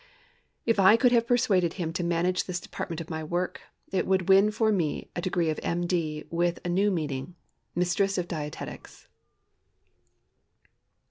If I could have persuaded him to manage this department of my work, it would win for me the degree of M.D. with a new meaning—Mistress of Dietetics.